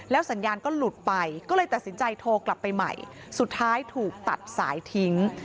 สัญญาณก็หลุดไปก็เลยตัดสินใจโทรกลับไปใหม่สุดท้ายถูกตัดสายทิ้ง